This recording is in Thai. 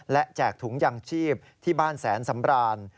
และแจกถุงยางชีพที่บ้านแสนสำราน